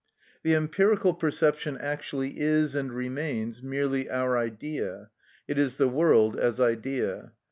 The empirical perception actually is and remains merely our idea: it is the world as idea.